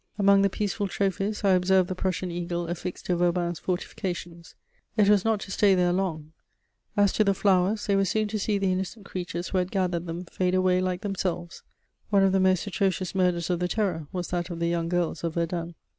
Among the peaceful trophies, I observed the Prussian Eagle affixed to Vauban's fortifications: it was not to stay there long; as to the flowers, they were soon to see the innocent creatures who had gathered them fade away like themselves. One of the most atrocious murders of the Terror was that of the young girls of Verdun.